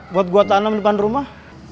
buat buat tanam depan rumah